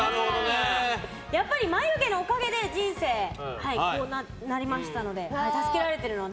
やっぱり眉毛のおかげで人生こうなりましたので助けられているので。